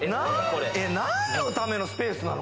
何のためのスペースなの？